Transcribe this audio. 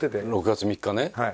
６月３日ね。